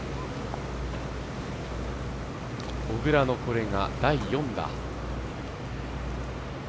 小倉のこれが第４打。